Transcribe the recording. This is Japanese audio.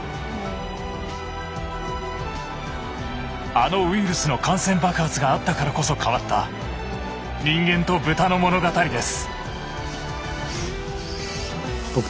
あのウイルスの感染爆発があったからこそ変わった人間と豚の物語です。